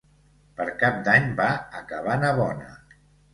Per Cap d'Any va a Cabanabona.